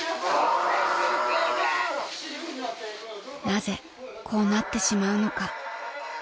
［なぜこうなってしまうのか］